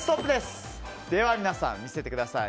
皆さん、見せてください。